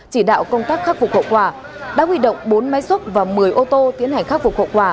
chỉ đạo công tác khắc phục hậu quả đã huy động bốn máy xúc và một mươi ô tô tiến hành khắc phục hậu quả